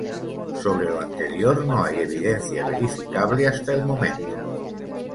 Sobre lo anterior no hay evidencia verificable hasta el momento.